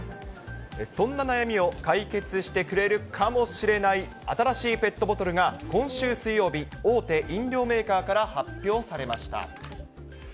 そんな悩みを解決してくれるかもしれない、新しいペットボトルが、今週水曜日、大手飲料メーカーから発表されました。